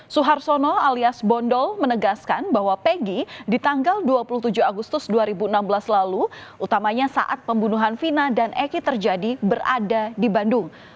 suhartono alias bondo menegaskan bahwa pegi di tanggal dua puluh tujuh agustus dua ribu enam belas lalu utamanya saat pembunuhan vina dan eki terjadi berada di bandung